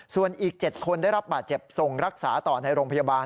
ส่วนอีก๗คนได้รับบาดเจ็บส่งรักษาต่อในโรงพยาบาล